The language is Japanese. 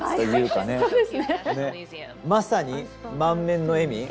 まさに満面の笑み。